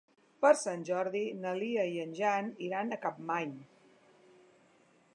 Per Sant Jordi na Lia i en Jan iran a Capmany.